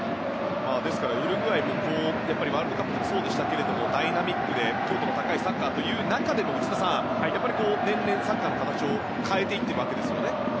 ですからウルグアイはワールドカップもそうでしたがダイナミックで強度の高いサッカーという中でも内田さん、年々サッカーの形を変えていっているわけですね。